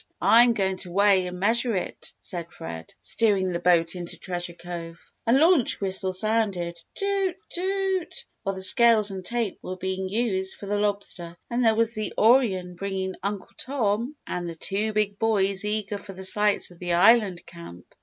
I'm going to weigh and measure it," said Fred, steering the boat into Treasure Cove. A launch whistle sounded "toot toot!" while the scales and tape were being used for the lobster, and there was the Orion bringing Uncle Tom and the two big boys eager for the sights of the island camp.